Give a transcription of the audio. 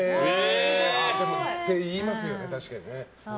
言いますよね、確かにね。